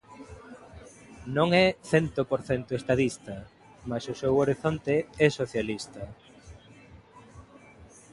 Non é "cento por cento estadista" mais o seu horizonte "é socialista".